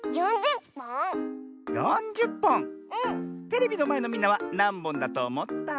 テレビのまえのみんなはなんぼんだとおもった？